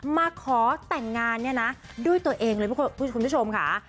มาขอแต่งงานเนี่ยนะด้วยตัวเองเลยคุณผู้ชมค่ะ